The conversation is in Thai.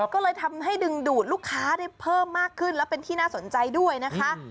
ก็เลยทำให้ดึงดูดลูกค้าได้เพิ่มมากขึ้นและเป็นที่น่าสนใจด้วยนะคะ